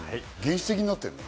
原始的になってるね。